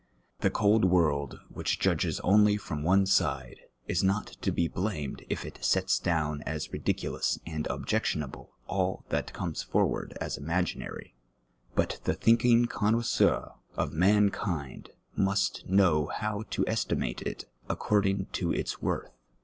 The cold world, which jud«j;es only from one side, is not to be blamed if it sets down as ridiculous and objectionable all that comes forward as imaginary, but the thinking connoisseur of mankind must know how to estimate it according to its worth.